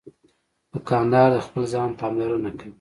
دوکاندار د خپل ځان پاملرنه کوي.